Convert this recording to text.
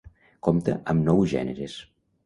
Compta amb nou gèneres.